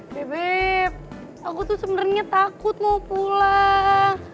beb aku tuh sebenernya takut mau pulang